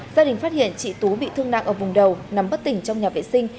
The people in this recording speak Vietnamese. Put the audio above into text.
gia đình phát hiện chị tú bị thương nặng ở vùng đầu nằm bất tỉnh trong nhà vệ sinh